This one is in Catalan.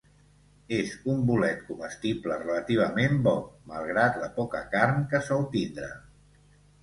És un bolet comestible relativament bo, malgrat la poca carn que sol tindre.